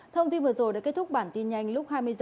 thông tin vừa rồi đã kết thúc bản tin nhanh lúc hai mươi h